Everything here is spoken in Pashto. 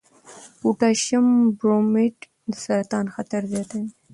پوټاشیم برومیټ د سرطان خطر زیاتوي.